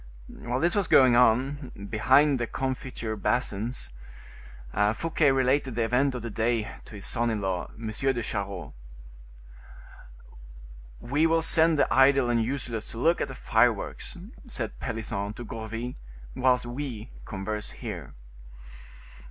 While this was going on, behind the confiture basins, Fouquet related the event of the day to his son in law, M. de Charost. "We will send the idle and useless to look at the fireworks," said Pelisson to Gourville, "whilst we converse here."